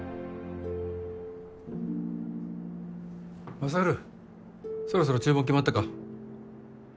勝そろそろ注文決まったか？